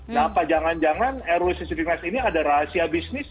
nah apa jangan jangan rusis dinas ini ada rahasia bisnis